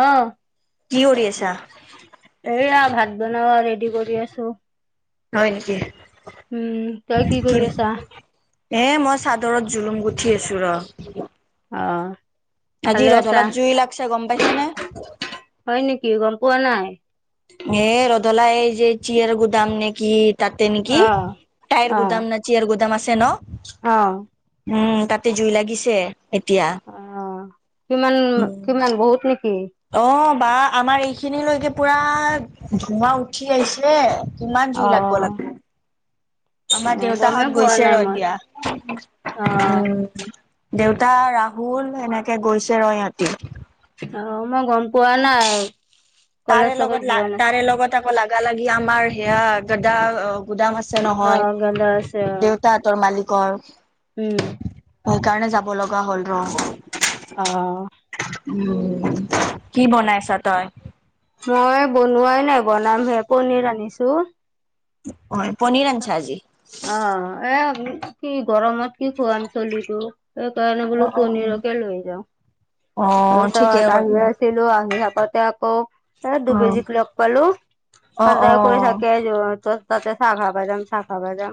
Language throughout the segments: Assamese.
অ কি কৰি আছা? এইয়া- ভাত বনোৱা ৰেডি কৰি আছো। হয় নেকি? উম, তই কি কৰি আছা? এ মই চাদৰত জুলুম, গুঠি আছো ৰ। অ আজি ভালে আছা ৰধলাত জুই লাগছে, গম পাইছা নে? হয় নেকি গম পোৱা নাই এ ৰধলা এই যে চিয়ৰ গু দাম নে কি? তাতে নেকি অহ টায়াৰ অহ গুদাম ন চেয়াৰ গুদাম আছে ন। অহ উ তাতে জুই লাগিছে। এতিয়া। অ, কিমান, উম কিমান বহুত নেক অ বা আমাৰ এইখিনিলৈকে পুৰা ধোঁৱা উঠি আহিছে। কিমান জুই লাগব অহ লাগ আমাৰ অহ গমেই দেউতাহঁত পোৱা গৈছে ৰ নাই মই এতিয়া। অহ উম। দেউতা ৰাহুল এনেকে গৈছে ৰ য়হতি। অ, মই গম পোৱা নাই। কলেজ তাৰে চলেজ লগত লা যোৱা তাৰে নাছিল লগত আকৌ লাগা লাগি আমাৰ সেয়া দাদা গুদাম আছে নহয় অহ গেলা আছে অহ দেউতাহঁতৰ মালিকৰ। উম। সেইকাৰণে যাব লগা হ'ল ৰ। অ। উ কি বনাইছা তই- মই বনোৱাই নাই বনাম হে পনীৰ আনিছো। হয় পনীৰ আচাৰ আজি অ এ কি গৰমত কি খোৱাম চলিছো সেইকাৰণে অ বোলো পনিৰকে লৈ যাওঁ। অ অ ঠিকে তাৰিছত আহি কৰিলি আছিলো আহি চাপত- আকৌ অ দুবেজীক লগ পালো অ অ সাজাৰ কৰি থাকে য তাতে চাহ খা প যাম চাহ খা প যাম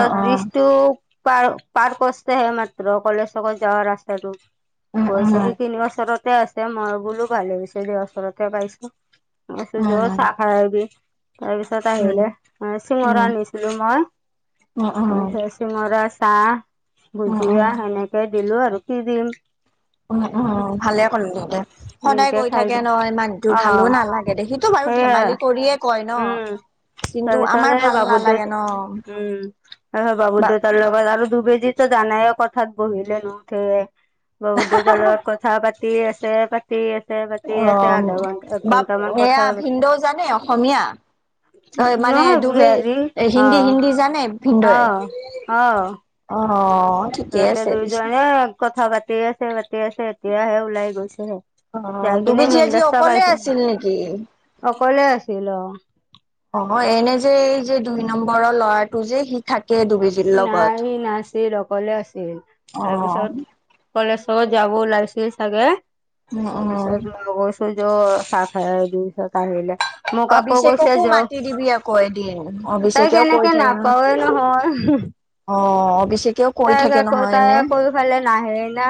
অ অ বিষতো- পাৰ পাৰ কৰ্তহে মাত্ৰ কলেজকত যোৱা ৰাস্তাটো- উম উম গৈছে সি তিন বছৰতে আছে মই বোলো ভালে হৈছে দু বছৰতে পাইছো। উম উম জ চা উম খাৰবি তাৰপিছত আহিলে। উম উম চিমৰা আ নিছিলো উম মই চিমৰা চাহ- উম বুজওা সেনেকে দিলো আৰু কি দিম- উম উম ভালে কলো তিহঁতে সদায় সেনেকে কৈ খাই থাকে গল নহয়্ মানুহটো অ ভালো নালাগে দে সিটো বাৰু ধেমা সেইয়াই ধেমালি কৰিয়ে কয় ন কিন্তু- আমাৰ ভাল বাবুৰ নালাগে দেউত ন উম হয় বাবুৰ বা দেউতাৰ লগত আৰু ধুবে আজো জানাই কথাত বহিলে নুঠে বহু জালত কথা পাতি- [unintelligible] আছে পাতি- পাতি অ আছে আধা ঘন্টা বা একঘণ্টা মান এয়া কথা পতি ভিনদেউ জানে অসমীয়া অ ন মানে দুবে বিহাৰী অ হিন্দী হিন্দী জানে অ ভিনদেউৱে অ অ ঠিকে ৰাতে আছে পিছে দুইজনে কথা বাৰা পাতি আছে মাতি আছে এতিয়াহে ওলাই গৈছেহে। অ যাই কিনে দুবি জীয়া যি মেন্দা চ অকলে পাইছিল আছিল নেকি অকলে আছিল অ- অ এনে যে এই যে দুই নম্বৰৰ ল'ৰাটো যে সি থাক। নাই নাছিল অকলে আছিল অ তাৰপিছত কলেজ- চত যাব ওলাইছে চাগে উম উম তাৰপিছত মইৰ চ য চাহ খাই পিছত আহিলে মোক আকৌ কৈছে অভিষেককো য মাতি দিবি আকৌ এদিন তাইক অভিষেকেও কৈ কেনেকে থাকে ন নাপাৱে নহয়। অ বেছিকৈও কৈ তাইক থাকে আকৌ নহয় তাই এনে আকৌ ইফালে নাহে না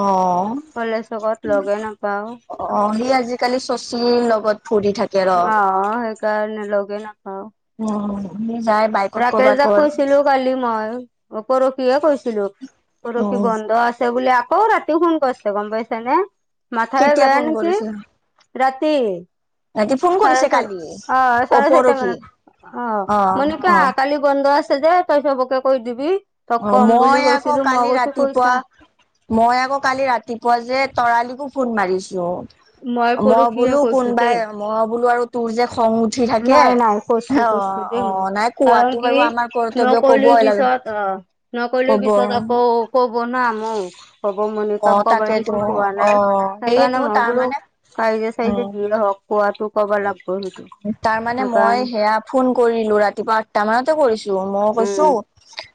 আহ কলেজ লগত লগে নাপাও অ অ সি আজিকালি শশীৰ লগত ফুৰি থাকে ৰ। অ সেই কাৰণে লগে নেখাওঁ অ ৰাকেশ দাক কৈছিলো কালি মই অ পৰহিয়ে কৈছিলো পৰহি উম, বন্ধ আছে বুলে ক ৰাতি হন কৈছিলে গম পইচা নে মাথা বে কেতিয়া বেয়া ফোন নে কি কৰিছে? ৰাতি ৰাতি ফোন চাৰে কৰিছে চয় কালি অ চাৰে চাৰিটা মানত অ মন কা কালি বন্ধ আছে যে তই চবকে কৈ দিবি তক অ কম বুলি মই আকৌ কৈছিলো মই কালি কৈছো ৰাতিপুৱা কৈছা মই আকৌ কালি ৰাতিপুৱা যে তৰালিকো ফোন মাৰিছ মই পৰহিয়ে বোলো কৈছো দেই কোনোবাই মই বোলো আৰু তোৰ যে খং উঠি থাকে নাই নাই কৰিছো অ কৰিছো দেই অ মই নাই কাৰণ কোৱাতো কি বাৰু আমাৰ কৰ্তব্য কবয়ে লাগে নকলেউ কব পিছত আকৌ কব না মোক ক'ব মনে তক অ', কবই তাকেতো দিছো কোৱা নাই অ', সেইকাৰণে সেইয়েতো মই বোলো তাৰমানে কাইজে চাইজে দি [unintelligible] কোৱাটো ক'বা লাগিব সেইটো তাৰ মানে মই সেইকাৰণে সেয়া ফোন কৰিলো ৰাতিপুৱা আঠটা মানতে কৰিছো মই কৈছো উম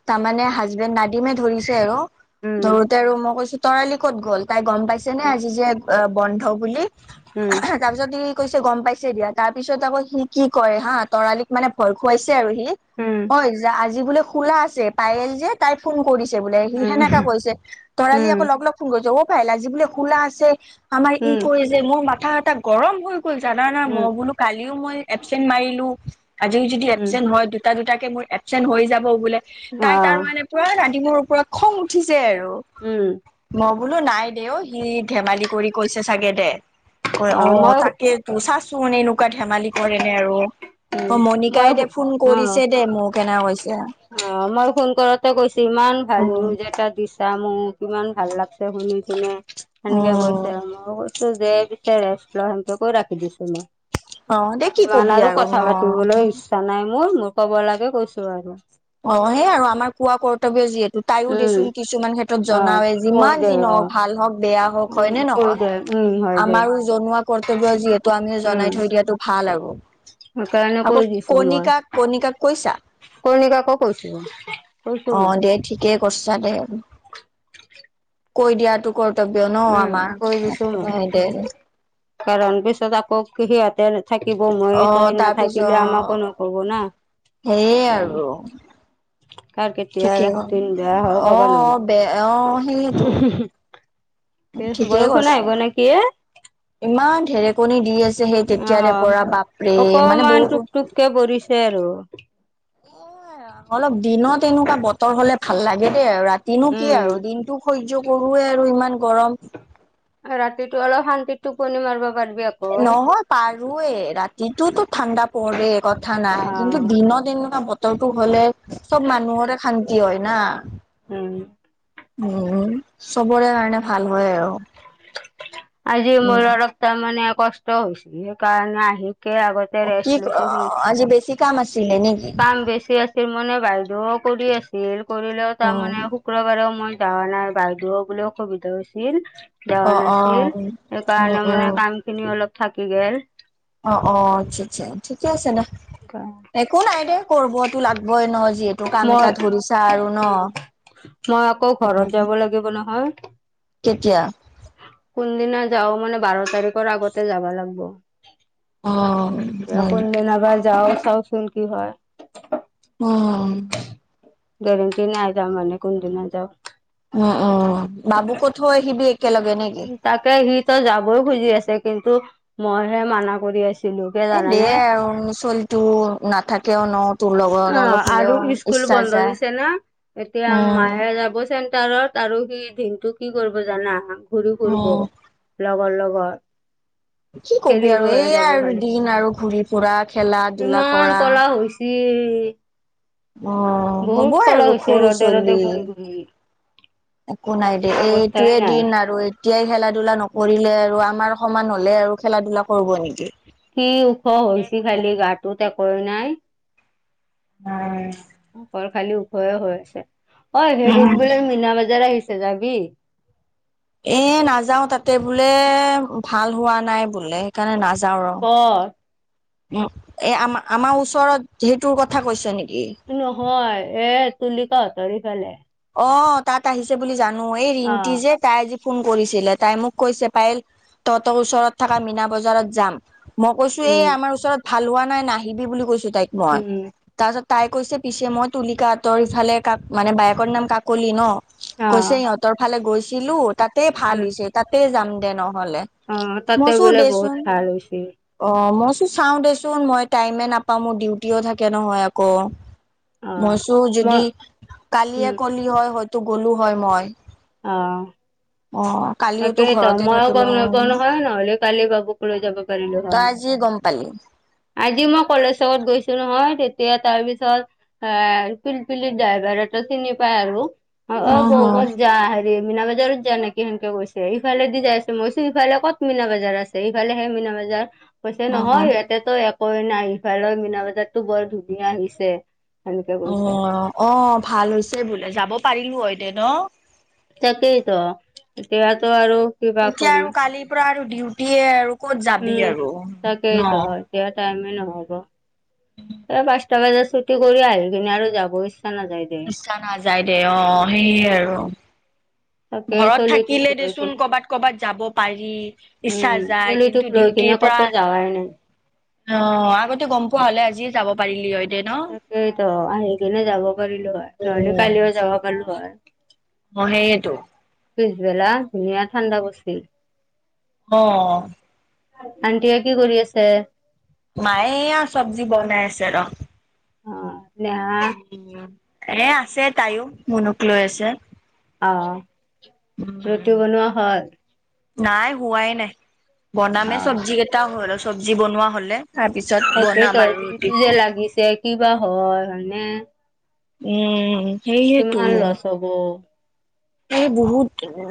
তাৰ মানে হাজবেণ্ড নাদিমে ধৰিছে আৰু উম ধৰোতে আৰু মই কৈছো তৰালি ক'ত গ'ল তাই গম পাইছে নে আজি যে বন্ধ বুলি উম তাৰ পিছত ই কৈছে গম পাইছে দিয়া তাৰ পিছত আকৌ সি কি কৰে হা তৰালিক মানে ভয় খুৱাইছে সি উম হয় আজি বোলে খোলা আছে পায়েল যে তাই ফোন কৰিছে বোলে সি উম সেনেকা কৈছে তৰালি উম আকৌ লগ লগ ফোন কৰিছে অ পাইলা আজি বোলে খোলা আছে আমাৰ ই উম কৈ আছে মোৰ মাথা আথা গৰম হৈ গ'ল জানা না উম মই বল মই এবচেন্ট মাৰিলো আজি যদি এবচেন্ট উম হয় দুটা দুটাকে মোৰ এবচেন্ট হৈ যাব বোলে অ তাই তাৰ মানে পৰা ৰাতিমোৰ ওপৰত খং উঠিছে আৰু উম মই বোলো নাই দেউ কি ধেমালি কৰি কৈছে চাগে দে কৈ অ মই উম তাকে তো চাচো এ কোৱা ধেমালি কৰে নে আৰু অ মণিকাই দে ফোন মই অ কৰিছে দে মোক এনে কৈছে। অ মই ফোন কৰতে কৈছো ইমান ভাল উম নিউজ এটা দিছা মোক কিমান ভাল লাগছে শুনি কিনে সেনেকে উম কৈছে মই কৈছো যে [unintelligible] ৰাখি দিছো মই অ দে কি কবি আৰু কথা ন পাতিবলৈ ইচ্ছা নাই মোৰ মোৰ ক'ব লাগে কৈছো আৰু অ সেইয় আৰু আমাৰ কোৱা কৰ্তব্য যিহেতু তাইও উম দেচোন কিছুমান ক্ষেত্ৰত অ জনাওে কৈ যিমান দে যি অ নহওক ভাল হওক বেয়া হওক উম হয় নে কৈ নহয় দে উম হয় দে আমাৰো জনোৱা কৰ্তব্য যিহেতু আমি উম জনাই থৈ দিয়াটো ভাল আৰু সেইকাৰণে আকৌ কৈ দিছো মই কণিকাক কণিকাক কৈছা কণিকাকো কৈছো কৈছো অ মই দে ঠিকে কৰিছা দে কৈ দিয়া তো কৰতব্য ন উম আমাৰ কৈ দিছো মই [unintelligible] দে কাৰণ পিছত আকৌ সিহঁতে থাকিব অ মই তই নাথাকিলে আমাকো নকব না সেইয় সেইকাৰণে আৰু কাৰ কেতিয়া ঠিকে ক দিন বেয়া হয় অ ক'ব নোৱাৰো। বেয়া অ সেইয়েতো বৰষুণ আহিব নেকি এ ইমান ঢেৰেকণী দি আছে সেই তেতিয়াৰে অ' পৰা বাপৰে মানে বহুত সে আৰু এ অলপ দিনত এনেকুৱা বতৰ হলে ভাল লাগে দেই আৰু ৰাতি দিনটো কি উম। আৰু দিনটো সহ্য কৰোৱে আৰু ইমান গৰম। ৰাতিটো অলপ শান্তিত টোপনি মাৰব পাৰি। নহয় পাৰোৱে ৰাতিটোতো ঠাণ্ডা পৰে। কথা নাই কিন্তু অ' দিনৰ দিনটো ন বতৰটো হলে চব মানুহৰে শান্তি হয় না। উম। উম চবৰে কাৰণে ভাল হয় আৰু। আজি উম মোৰ অলপ মানে কষ্ট হৈছিল সেইকাৰণে আহি কে আগতে অ কি ৰেষ্ট অ লৈছোঁ। আজি বেছি কাম আছিলে নেকি কাম বেছি আছিল মানে বাইদেউ কৰি আছিল কৰিলেও অ তাৰমানে শুক্ৰবাৰেও মই য নাই বাইদেউ বোলে অসুবিধা হৈছিল। অ যৱা অ নাছিল উম সেইকাৰণে মানে উম কাম খিনি অলপ থাকি গেল। অ অ আচ্ছা আচ্ছা ঠিকে আছে না। একো নাই দে কৰিবতো লাগবই ন যিহেতু কাম মই এটা ধৰিছা আৰু ন। উম মই আকৌ ঘৰত যাব লাগিব নহয়। কেতিয়া? কোনদিনা যাও মানে বাৰ তাৰিখৰ আগতে যাবা লাগিব। অ মেনাবাৰ যাও চাওচোন কি হয়। উ গেৰেণ্টি নাই যা মানে কোনদিনা যাও। উম উম বাবুকো থৈ আহিবি একেলগে নেকি? তাকে সি ত যাবই খুজি আছে। কিন্তু মইহে মানা কৰি আছো। এ দে আৰু ছোৱলী তটো নাথাকেও ন তোৰ লগৰ অ', অলপ আৰু হ'লেও স্কুল ইচ্ছা বন্ধ যায়। দিছে না এতিয়া উম মায়ে যাব চেণ্টাৰত আৰু সি দিনটো কি কৰিব জানা ঘুৰি ফুৰিব উম লগৰ লগত বা কি কবি আৰু এইয়া আৰু দিন আৰু ঘূৰি ফুৰা খেলা ধূলা ইমান কৰা। [unintelligible] অ বহুত হ'বই ক'লা আৰু হৈছে সৰু ৰ'দে ৰ'দে চলি। ঘূৰি ঘূৰি। একো নাই দে অৱস্থাই এইটোৱে নাই দিন আৰু এতিয়াই খেলা ধূলা নকৰিলে আৰু আমাৰ সমান হলে আৰু খেলা ধূলা কৰিব নেকি। কি ওখ হৈছে খালি গাটোত একোৱে নাই? উম অকল খালি উখয়ে হৈ আছে অ হেৰিত উম বোলে মিনা বজাৰ আহিছে। যাবি এ নাযাও তাতে বোলে ভাল হোৱা নাই বোলে সেইকাৰণে নাজা কত এ আম আমাৰ ওচৰত সেইটোৰ কথা কৈছে নেকি? নহয় এ তুলিকাঁ হঁতৰ সিফালে অ তাত আহিছে বুলি জানো এই ৰিণটি অ', যে তাই ফোন কৰিছিলে তাই মোক কৈছে পাইল তহঁতৰ ওচৰত থকা মীনা বজাৰত যাম। মই কৈছো এই উম, আমাৰ ওচৰত ভাল হোৱা নাই। নাহিবি বুলি কৈছো তাইক মই উম। তাৰপাছত তাই কৈছে পিছে মই তুলিকাঁতৰ ইফালে কাক মানে বায়েকৰ নাম কাকলি ন কৈছে অ', সিহঁতৰ ফালে গৈছিলো তাতে ভাল উম, হৈছে তাতে যাম দে ন। হলে অ', তাতে মচো বোলে বহুত দেচোন ভাল হৈছে অ ম চাও দেচোন মই টাইমে নাপাও মোৰ ডিউটিও থাকে নহয় আকৌ। অ', মইচো মই যদি কালিয় উম, হয়তো গ'লো হয় মই। আহ অ কালিওতো তাকেই ত ঘৰতে মইও থাকিলো গম হয় নাপাও হয় নহ'লে কালি বাবুক লৈ যাব পাৰিলো তই হয়। আজি গম পালো। আজি মই কলেজত গৈছো নহয়। তেতিয়া তাৰ পিছত এ পিলপিলি ড্ৰাইভাৰতো চিনি পায় আৰু অ অ উম বৌ হম ক'ত যা হেৰি মীনা বজাৰত যাৱ নেকি সেন গৈছে সিফালে দি যাই আছে। মই কৈছোঁ সিফালে ক'ত মিনা বজাৰ আছে এইফালেহে মিনা বাজাৰ কৈছে উম নহয় উম ইয়াতেতো একোৱেই নাই সিফালৰ মিনা বজাৰতো বৰ ধুনীয়া আহিছে সেনেকে অ কৈছে। অ ভাল হৈছে বোলে যাব পাৰিলো হয় দে ন তাকেই টো এতিয়াটো আৰু কিবা এতিয়া কৰিম আৰু কালিৰ পৰা আৰু ডিউটিয়ে আৰু ক'ত যাবি উম আৰু তাকেই ন ত হয় এতিয়া টাইম নহ'ব এই পাঁচটা বজাত ছুটি কৰি আহি কিনে আৰু যাবই ইচ্ছা নাযায় দে অ সেইয়ে আৰু তাকে ঘৰত চলিটোক থাকিলে লৈ দেচোন কিনে ক'বাত ক'বাত যাব পাৰি ইচ্ছা যায় কিন্তু ডিউটি এনে ক'তো যাৱাই নাই অ আগতে গম পোৱা হ'লে আজিয়ে যাব পাৰিলি হয় দে ন তাকেইতো আহি কিনে যাব পাৰিলো হয় নহ'লে উম কালিও যাব পাৰিলো হয় অ সেয়েতো পিছবেলা ধুনীয়া ঠাণ্ডা পৰিছিল। অহ আন্টিয়ে কি কৰি আছে। মায়ে এয়া চব্জি বনাই আছে ৰ অ না এ আছে তাইও মোনুক লৈ আছে অহ ৰুতি বনোৱা হ'ল নাই হোৱাই নাই বনামে অ চব্জি কেইটা হ'ল চব্জি বনোৱা হ'লে তাৰ পিছত তাকেই বনাম টো আৰু ৰুটি কিটো যে লাগিছে কিবা হয় হয়নে উম সেইহেতো কিমান লছ হ'ব এই বহুত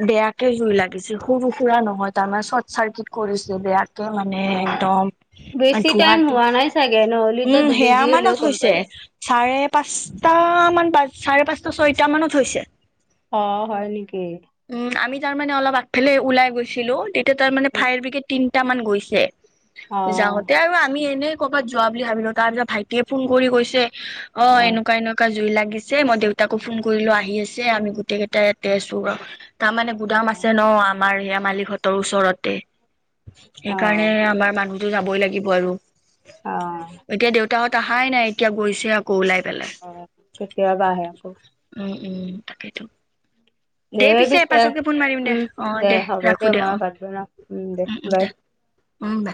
বেয়াকে জুই লাগিছিল সৰু সুৰা নহয় তামানে চৰ্ট চাৰ্কিট কৰিছে বেয়া মানে অ একদম বেছি টাইম ধোঁৱা টো হোৱা নাই চাগে নহ'লেতো উম সেয়া দুবেজি হ'লেও মানত গম হৈছে পালে চাৰে পাঁচটা মান বা চাৰে পাঁচটা ছয়টা মানত হৈছে অ হয় নিকি তাৰ মানে অলপ আগফালে ওলাই গৈছিলো তেতিয়া তাৰ মানে ফায়াৰ ব্ৰিগেড তিনটা মান গৈছে অ যাওঁতে আৰু আমি এনেই ক'বাত যোৱা বুলি ভাবিলো তাৰপিছত ভাইটিয়ে ফোন কৰি কৈছে অ এনেকুৱা এনেকুৱা জুই লাগ লাগিছে মই দেউতাকো ফোন কৰিলোঁ আহি আছে আমি গোটেই কেইটাই ইয়াতে আছোঁ ৰহ তাৰমানে গুদাম আছে ন আমাৰ সেয়া মালিকহঁতৰ ওচৰতে অ সেইকাৰণে আমাৰ মানুহতো যাবই লাগিব আৰু অ তাহঁত আহাই নাই এতিয়া গৈছে আকৌ ওলাই পেলাই। অ কেতিয়া বা আহে আকৌ উম, উম তাকে টো [inaudible] দে পিছে। উম, অ' দে হ'ব ৰাখো দে মই অ' ভাত বাওঁ, উম দে বাই উম দে